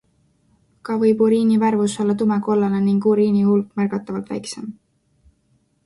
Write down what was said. Ka võib uriini värvus olla tumekollane ning uriini hulk märgatavalt väiksem.